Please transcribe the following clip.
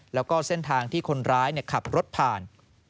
แล้วก็เส้นทางที่คนร้ายขับรถผ่าน